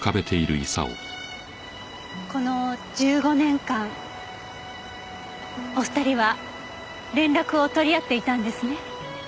この１５年間お二人は連絡を取り合っていたんですね。